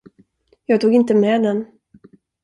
Jag tog inte med den.